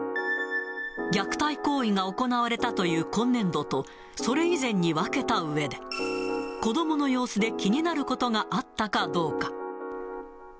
虐待行為が行われたという今年度と、それ以前に分けたうえで、子どもの様子で気になることがあったかどうか。